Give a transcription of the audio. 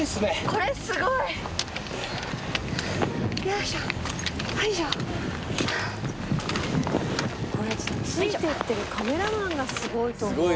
これついていってるカメラマンがすごいと思う。